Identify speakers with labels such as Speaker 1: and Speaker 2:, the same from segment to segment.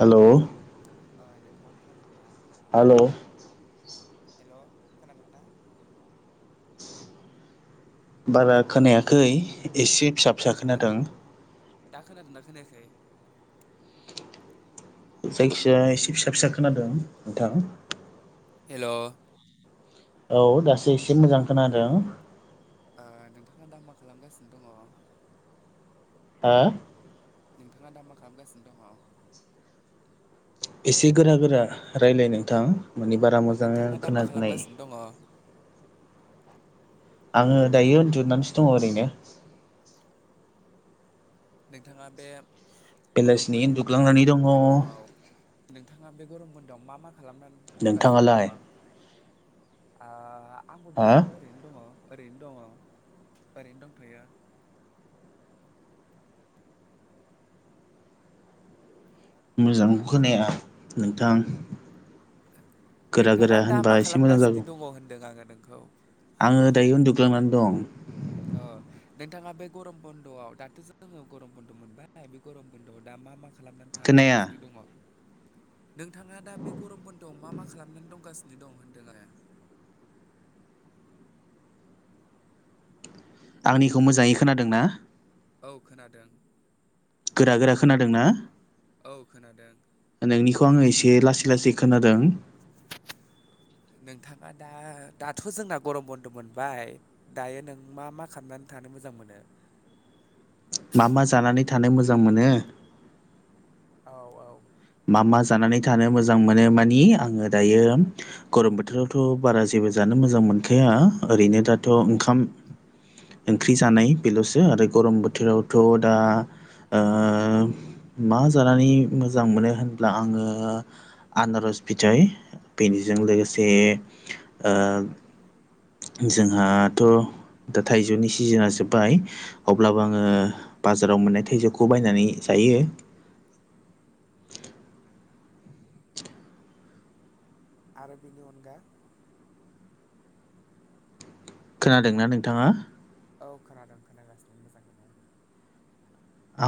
Speaker 1: Hello
Speaker 2: अ नोंथाङा खोनादोंना?
Speaker 1: हेल'
Speaker 2: हेल' खोनादोंना?
Speaker 1: बारा
Speaker 2: हेल'
Speaker 1: खोनायाखै एसे फिसा फिसा
Speaker 2: खोनादोंना
Speaker 1: खोनादों।
Speaker 2: दा खोनादोंना खोनायाखै?
Speaker 1: जायखिजाया एसे फिसा फिसा खोनादों नोंथां।
Speaker 2: हेल'
Speaker 1: औ दासो एसे मोजां खोनादों
Speaker 2: नोंथाङा दा मा खालामगासिनो दङ?
Speaker 1: हा
Speaker 2: नोंथाङा दा मा खालामगासिनो दङ?
Speaker 1: एसे गोरा गोरा रायज्लाय नोंथां माने बारा
Speaker 2: नोंथाङा
Speaker 1: मोजाङैनो
Speaker 2: दा मा
Speaker 1: खोननाय
Speaker 2: खालामगासिनो दङ
Speaker 1: आङो दायो उन्दुनानैसो दङ ओरैनो
Speaker 2: आा नोंथाङा बे गरम
Speaker 1: बेलासिनि उन्दुग्लांनानै दङ।
Speaker 2: बन्द'आव नोंथाङा बे गरम बोन्दोआव मा मा खालामनानै दंगासिनो
Speaker 1: नोंथाङालाय
Speaker 2: दङालाय? आंबो
Speaker 1: हा
Speaker 2: बिदिनो ओरैनो दङ ओरैनो दङ ओरैनो दंथ'यो।
Speaker 1: मोजां खोनाया नोंथां। गोरा गोरा
Speaker 2: नोंथाङा दा
Speaker 1: होनबा
Speaker 2: मा
Speaker 1: एसे मोजां
Speaker 2: खालामगासिनो
Speaker 1: जागौ
Speaker 2: दङ होनदों आङो नोंखौ?
Speaker 1: आङो दायो उन्दुग्लांनानै दं।
Speaker 2: अ नोंथाङा बे गरम बन्द'आव दाथ' जोङो गरम बन्द' मोनबाय बे गरम बन्द'आव दा मा मा खालामनानै
Speaker 1: खोनाया
Speaker 2: थारगासिनो दङ? नोंथाङा दा बे गरमआव मा मा खालामनानै दंगासि दं होनदों आरो?
Speaker 1: आंनिखौ मोजाङै खोनादों ना?
Speaker 2: औ खोनादों।
Speaker 1: गोरा गोरा खोनादों ना?
Speaker 2: औ खोनादों
Speaker 1: नोंनिखौ आङो एसे लासै लासै खोनादों।
Speaker 2: नोंथाङा दा दाथ' जोंना गरम बन्द' मोनबाय दायो नों मा मा खालामनानै थानो मोजां मोनो?
Speaker 1: मा मा जानानै थानो मोजां मोनो
Speaker 2: औ औ
Speaker 1: मा मा जानानै थानो मोजां मोनो मानि आङो दायो गरम बोथोरावथ' बारा जेबो जानो मोजां मोनखाया ओरैनो दाथ' ओंखाम ओंख्रि जानाय बेल'सो आरो गरम बोथोरावथ' दा मा जानानै मोजां मोनो होनब्ला आङो आनारस फिथाइ बेनिजों लोगोसे ओ जोंहाथ' दा थाइजौनि सिजोन जोब्बाय अब्लाबो आङो बाजाराव मोननाय थाइजौखौ बायनानै जायो।
Speaker 2: आरो बेनि अनगा
Speaker 1: खोनादोंना नोंथाङा?
Speaker 2: औ खोनादों खोनागासिनो मोजाङैनो।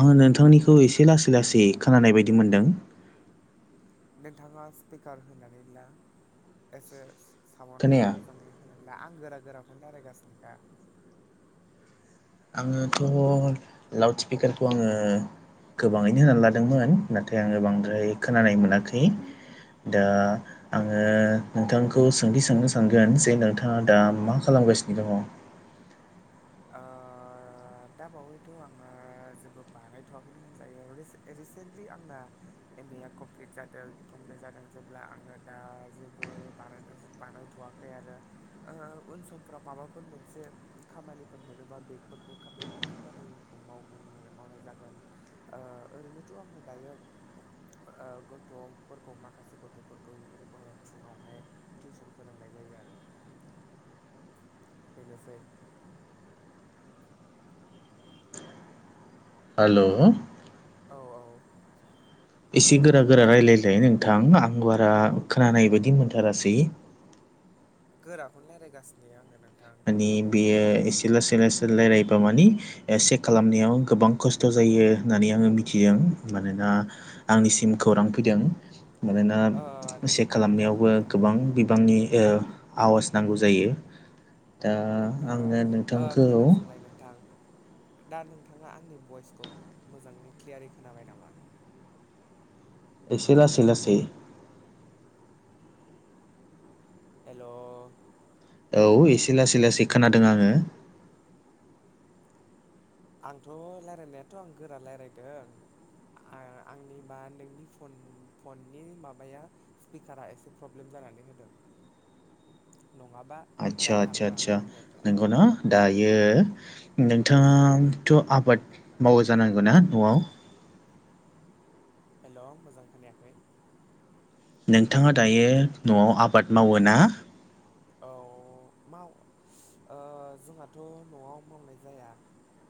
Speaker 1: आङो नोंथांनिखौ एसे लासै लासै खोनानाय बायदि मोनदों।
Speaker 2: नोंथाङा स्पिकार होनानै ला एसे साउन्डखौ
Speaker 1: खोनाया
Speaker 2: मोजाङै होनला आं गोरा गोराखौनो दारायगासिनोखा।
Speaker 1: आङोथ' लाउड स्पिकारखौ आङो गोबाङैनो होनानै लादोंमोन नाथाय आङो बांद्राय खोनानाय मोनाखै। दा आङो नोंथां खौ सोंथि सोंनो सानगोन जे नोंथाङा दा मा खालामगासिनो दङ?
Speaker 2: आ दा बावैथ' आङो जेबो बानायथ'वाखैनो होनजायो आरो रि-रिसेन्टलि आंना एम ए आ कमप्लिट जादों कमप्लिट जादों जेब्ला आङो दा जेबो बानायनो बानायथ'वाखै आरो ओ उन समफ्राव माबाफोर मोनसे खामानि फोर मोनोबा बेफोरखौ बेफोर खामानिखौ माव- मावनाय जागोन। ओ ओरैनोथ' आङो दायो ओ गथ'फोरखौ माखासे गथ'फोरखौ ओ फुङावहाय टिउसन फोरोंनाय जायो आरो बेनोसै
Speaker 1: हेल'
Speaker 2: औ औ
Speaker 1: एसे गोरा गोरा रायलायसायय नोंथां आं बारा खोनानाय बायदि मोनथारासै
Speaker 2: गोराखौनो लायरायगासिनो आङो नों
Speaker 1: माने बेयो एसे लासै लासै लायरायबा मानि ए चेक खालामनायाव गोबां खस्थ' जायो होननानै आङो मिथियो आं मानोना आंनिसिम खौरां फैदों मानोना
Speaker 2: ओ नों
Speaker 1: चेक
Speaker 2: नोंथां
Speaker 1: खालामनायावबो
Speaker 2: नोंथां
Speaker 1: गोबां बिबांनि ओ आवास नांगौ जायो दा
Speaker 2: ओ
Speaker 1: आङो
Speaker 2: ओ
Speaker 1: नोंथांखौ
Speaker 2: खोनासंलाय नोंथां दा नोंथाङा आंनि भइसखौ मोजाङै क्लियारै खोनाबाय नामा
Speaker 1: एसे लासै लासै
Speaker 2: हेल'
Speaker 1: औ एसे लासै लासै खोनादों आङो
Speaker 2: आंथ' लायरायनायाथ' आं गोरा लायरायदों आ-आंनिबा नोंनि फन-फननि माबाया स्पिकारा एसे प्रब्लेम जानानै होदों नङाबा
Speaker 1: आदसा आसा
Speaker 2: डाटाफ्रा
Speaker 1: आसा
Speaker 2: माने नेटफ्रा औ
Speaker 1: नोंगौना दायो नोंथाङाथ' आबाद मावो जानांगौ ना न'आव
Speaker 2: हेल' मोजां खोनायाखै
Speaker 1: नोंथाङा दायो न'आव आबाद मावो ना
Speaker 2: औ माव ओ जोंहाथ' न'आव मावनाय जाया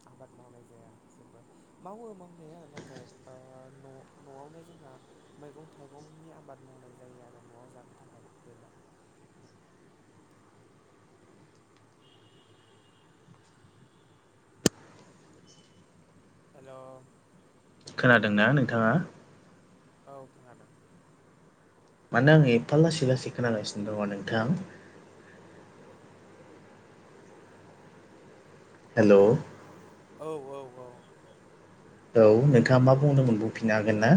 Speaker 2: आबाद मावनाय जाया जेबो मावो मावनाया नाथाय ओ न'-न'आवनो जोंहा मैगं थाइगंनि आबाद मावनाय जायो आरो न'आव जानो थाखाय बेल' हेल'
Speaker 1: खोनादोंना नोंथाङा?
Speaker 2: औ खोनादों
Speaker 1: मानो आङो एफा लासै लासै खोनागासिनो दङ नोंथां हेल'
Speaker 2: औ औ औ
Speaker 1: औ नोंथाङा मा बुंदोंमोन बुंफिननो हागोन ना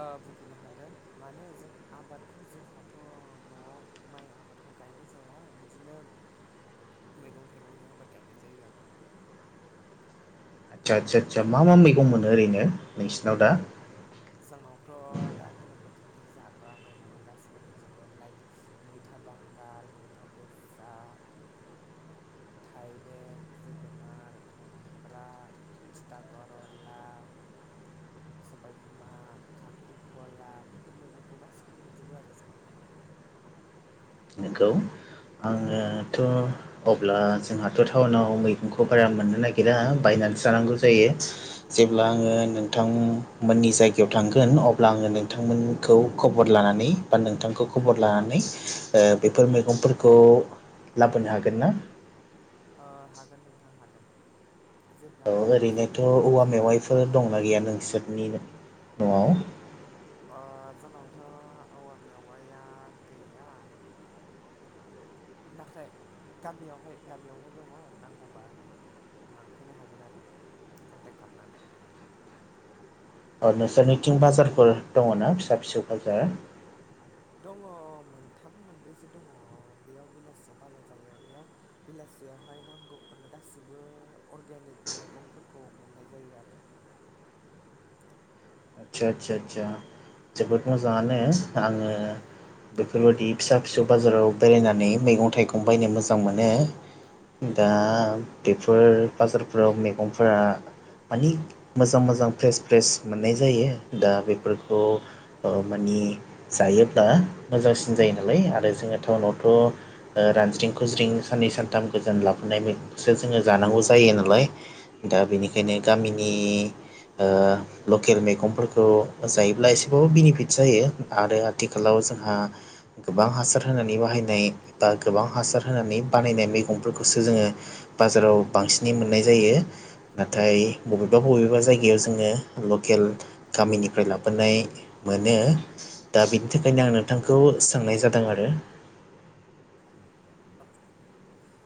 Speaker 2: ओ बुंफिननो हागोन मानो जों आबादखौ जोंहाथ' न'आव माइ आबादखौ गायनाय जाया बिदिनो मैगं थाइगंनि आबाद गायनाय जायो आरो
Speaker 1: आसा आसा आसा मा मा मैगं मोनो ओरैनो नोंसिनाव दा?
Speaker 2: जोंनावथ' दा गोलोम बोथोरनि जाग्रा मैगं गासैबो दंजोबो लाइक मैथा बांगाल मैथा गोजा थाइबें जोगोनार खुमब्रा थिथा कर'ला सबायबिमा खांख्रिखला बेफोर मैगंखौ गासिखौबो मोनजोबो आरो जोंनावहाय
Speaker 1: नोंगौ
Speaker 2: औ
Speaker 1: [unintelligible] अब्ला जोंहाथ' टाउनाव मैगंखौ बारा मोननो नायगिरा बायनानैसो जानांगौ जायो जेब्ला आङो नोंथांमोननि जायगायाव थांगोन अब्ला आङो नोंथांमोन खौ खबर लानानै बा नोंथांखौ खबर लानानै बेफोर मैगंफोरखौ लाबोनो हागोन ना
Speaker 2: ओ हागोन नोंथां हागोन जेब्ला ना जेब्ला नों जेब्ला नों
Speaker 1: मा गैया नोंसोरनि न'आव
Speaker 2: जोंनावथ' औवा मेवाया गैया नाथाय गामियावहाय गामियावहाय दङ नांगौबा लांफैनो हागोन आरो कन्टेक्ट खालामनानै
Speaker 1: औ नोंसोरनिथिं बाजारफोर दङना फिसा फिसौ बाजार
Speaker 2: दङ मोनथाम मोनब्रैसो दङ बेयाव बेलासियाव बाजार जायो बेयाव बेलासियावहाय नांगौ गासिबो अर्गेनिक मैगंफोरखौ मोननाय जायो आरो
Speaker 1: आदसा आदसा आसा जोबोद मोजाङानो आङो बेफोरबायाददि फिसा फिसौ बाजाराव बेरायनानै मैगं थाइगं बायनो मोजां मोनो दा बेफोर बाजारफोराव मैगंफोरा मानि मोजां मोजां फ्रेस फ्रेस मोननाय जायो दा बेफोरखौ माने जायोब्ला मोजांसिन जायो नालाय आरो जोङो टाउनावथ' रानज्रिं खुज्रिं साननै सानथाम गोजान लाबोनायखो जोंङो जानांगौ जायो नालाय दा बेनिखायनो गामिनि लकेल मैगंफोरखौ जायोब्ला एसेबाबो बेनिफिट जायो आरो आथिखालाव जोंहा गोबां हासार होनानै बाहायनाय बा गोबां हासार होनानै बानायनाय मैगंफोरखौसो जोंङो बाजाराव बांसिनै मोननाय जायो नाथाय बबेबा बबेबा जायगायाव जोङो लक लकेल गामिनिफ्राय लाबोनाय मोनो दा बिनि थाखायनो आं नोंथांखौ सोंनाय जादों आरो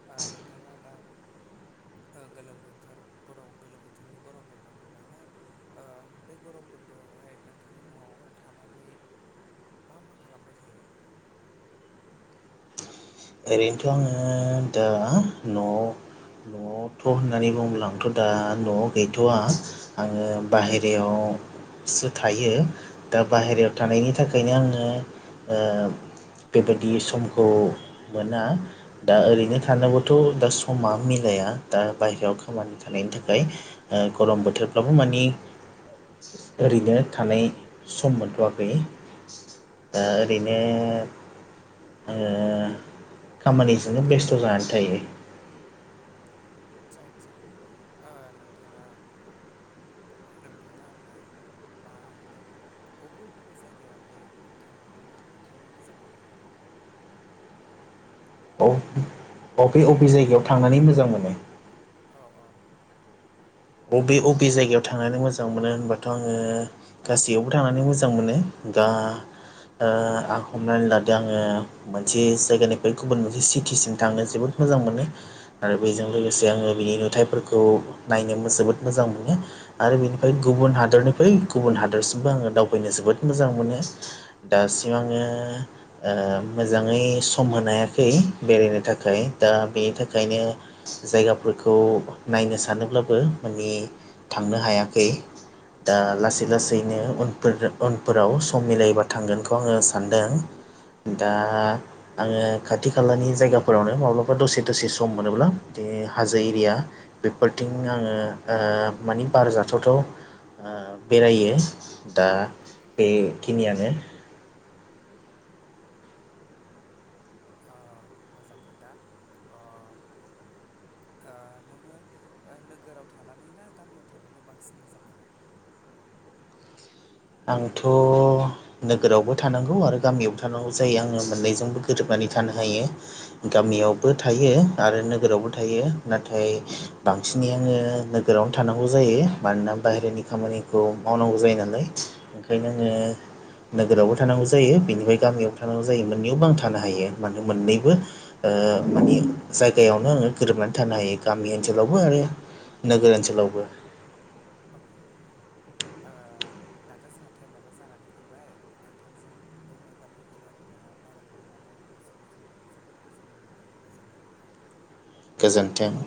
Speaker 2: ना नोंथाङा दा [inaudible] गोलोम बोथोरनि गरम गोलोम बोथोरनि गरम बन्द' मोनबायनाा बे गरम बुन्द'आवहाय नोंथाङा न'आव थानानै मा मा खालामबाय थायो
Speaker 1: ओरैनोथ' आंङो दा न'आव न'आवथ' होननानै बुंबोला आांथ' दा न'आव गैथ'वा आङो बाहेरायाव सु थायो दा बाहेरायाव थानायनि थाखायनो आङो बेबायदि समखौ मोना दा ओरैनो थानाबोथ' दा समा मिलाया दा बाहेरायाव खामानि थानायनि थाखाय गरम बोथोरफ्राबो मानि ओरैनो थानाय सम मोनथ'आाखै दा ओरैनो आङो खामानिजोंनो बेस्थ' जानानै थायो
Speaker 2: आदसा आदसा ओ नोंथाङा नोंथाङामा बा मा बबे बबे जायगायावहाय थांनानै थांनो मोजां मोनो
Speaker 1: अबे बबे जायगायाव थांनानै मोजां मोनो
Speaker 2: औ औ
Speaker 1: बबे बबे जायगायाव थांनानै मोजां मोनो होनबाथ' आङो गासैयावबो थांनानै मोजां मोनो दा आं हमनानै लादो आङो मोनसे जायगानिफ्राय गुबुन मोनसे सिटिसिम थांनो जोबोद मोजां मोनो आरो बेजों लोगोसे आङो बिनि नुथायाइफोरखौ नायनो मोजां जोबोद मोजां मोनो आरो बेनिफ्राय गुबुन हादरनिफ्राय गुबुन हादरसिमबो आङो दावबायनो जोबोद मोजां मोनो दासिम आङो मोजाङै सम होनो हायाखै बेरायनो थाखाय दा बेनि थाखायनो जायगाफोरखौ नायनो सानोब्लाबो माने थांनो हायाखै दा लासै लासैनो उनफोर उनफोराव सम मिलायबा थांगोनखौ आङो सानदों दा आङो खाथि खालानि जायगाफोरावनो माब्लाबा दसे दसे सम मोनोब्ला हाजो एरिया बेफोरथिं आङो मानि बारजाथावथाव बेरायो दा बेखिनियानो
Speaker 2: अ मोजां खोथा अ नोङो नोगोराव थानानै ना गामियाव थानानै बांसिन मोजां मोनो
Speaker 1: आंथ' नोगोरावबो थानांगौ आरो गामियावबो थानांगौ जायो आङो मोननैजोंबो गोरोबनानै थानो हायो गामियावबो थायो आरो नोगोरावबो थायो नाथाय बांसिनै आङो नोगोरावनो थानांगौ जायो मानोना बाहेरनि खामानिखौ मावनांगौ जायो नालाय ओंखायनो आङो नोगोरावबो थानांगौ जायो बेनिफ्राय गामियावबो थानांगौ जायो मोननैयाव बां थानो हायो मानो मोननैबो माने जायगायावनो आङो गोरोबनानै थानो हायो गामि ओनसोलावबो आरो नोगोर ओनसोलावबो
Speaker 2: अके अके आ दाथ' जोंहा टाइमाबबो जानानै फैबाय नोंथांजों बे मोगा मोगि रायज्लायनायाव रायज्लायनो मोननानै गोसोखौ जो जोबोद गोजोननाय मोनदों गोजोन्थों नोंथां
Speaker 1: गोजोन्थों